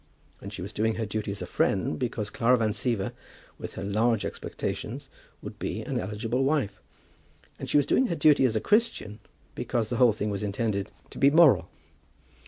And she was doing her duty as a friend, because Clara Van Siever, with her large expectations, would be an eligible wife. And she was doing her duty as a Christian, because the whole thing was intended to be moral.